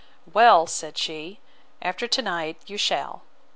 Well, said she, after to night you shall.